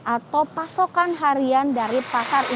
atau pasokan harian dari pasar ini